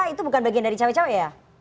itu bukan bagian dari cawe cawe ya